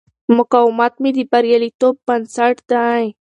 مقاومت مې د بریالیتوب بنسټ دی.